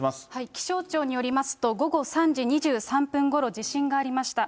気象庁によりますと、午後３時２３分ごろ、地震がありました。